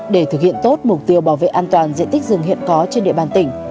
để thực hiện tốt mục tiêu bảo vệ an toàn diện tích rừng hiện có trên địa bàn tỉnh